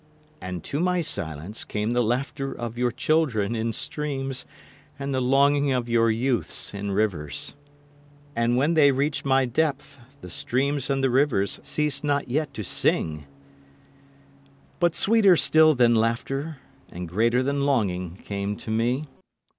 And to my silence came the laughter of your children in streams, and the longing of your youths in rivers. And when they reached my depth the streams and the rivers ceased not yet to sing. [Illustration: 0119] But sweeter still than laughter and greater than longing came to me.